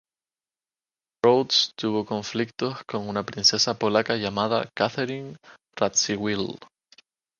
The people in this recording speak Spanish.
Rhodes tuvo conflictos con una princesa polaca llamada Catherine Radziwill.